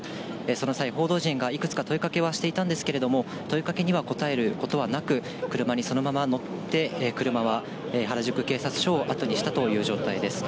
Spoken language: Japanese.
その際、報道陣がいくつか問いかけはしていたんですけれども、問いかけには答えることはなく、車にそのまま乗って、車は原宿警察署を後にしたという状態です。